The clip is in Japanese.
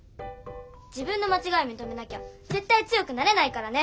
自分のまちがいみとめなきゃぜったい強くなれないからね！